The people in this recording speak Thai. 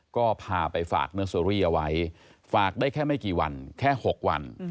ก็พาไปฝากเนอร์เซอรี่เอาไว้ฝากได้แค่ไม่กี่วันแค่๖วัน